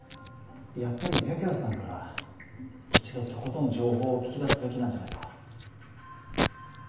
やっぱり白夜さんから１度とことん情報を聞き出すべきなんじゃないか？